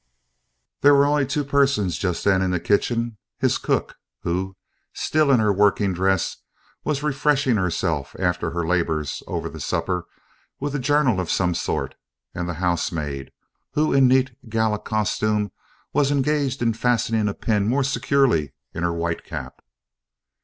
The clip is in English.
There were only two persons just then in the kitchen: his cook, who, still in her working dress, was refreshing herself after her labours over the supper with a journal of some sort, and the housemaid, who, in neat gala costume, was engaged in fastening a pin more securely in her white cap.